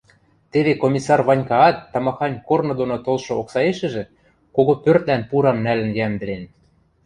Теве Комиссар Ванькаат тамахань корны доно толшы оксаэшӹжӹ кого пӧртлӓн пурам нӓлӹн йӓмдӹлен